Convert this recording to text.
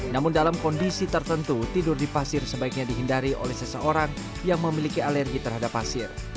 namun dalam kondisi tertentu tidur di pasir sebaiknya dihindari oleh seseorang yang memiliki alergi terhadap pasir